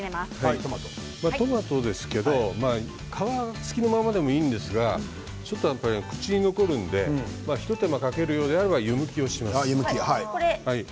トマトですけど皮付きのままでもいいんですがちょっと口に残るので一手間かけるようであれば湯むきをします。